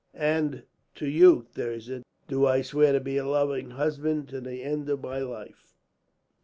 "And to you, Thirza, do I swear to be a loving husband, to the end of my life."